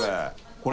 これ？